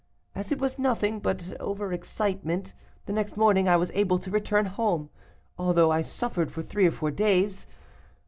As it was nothing but over excitement, the next morning I was able to return home; although I suffered for three or four days.